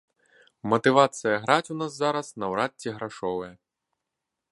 Матывацыя граць у нас зараз наўрад ці грашовая.